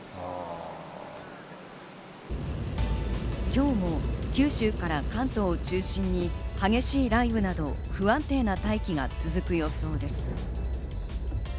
今日も九州から関東を中心に激しい雷雨など不安定な大気が続く予想です。